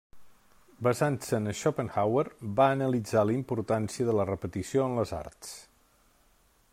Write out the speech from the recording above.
Basant-se en Schopenhauer, va analitzar la importància de la repetició en les arts.